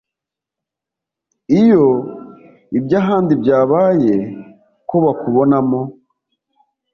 Iyo iby’ahandi byabaye ko bakubonamo